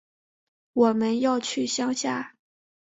我们要去乡下